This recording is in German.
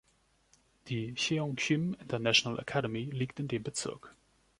Die Cheongshim International Academy liegt in dem Bezirk.